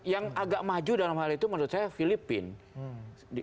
yang agak maju dalam hal itu menurut saya filipina